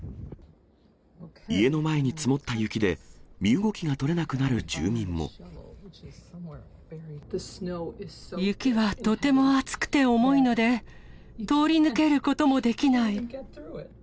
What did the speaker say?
家の前に積もった雪で、雪はとても厚くて重いので、通り抜けることもできない。